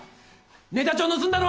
ネタ帳盗んだのは。